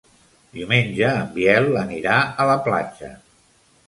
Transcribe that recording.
Diumenge en Biel anirà a la platja.